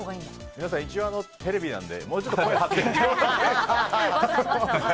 皆さん、一応テレビなのでもうちょっと声張って。